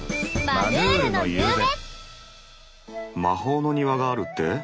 「魔法の庭」があるって？